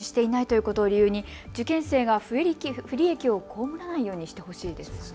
接種していないということを理由に受験生が不利益を被らないようにしてほしいですね。